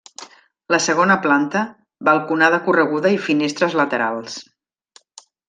La segona planta, balconada correguda i finestres laterals.